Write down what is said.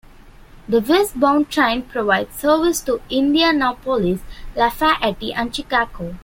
The westbound train provides service to Indianapolis, Lafayette, and Chicago.